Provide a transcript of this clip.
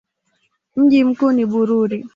Mji mkuu ni Bururi.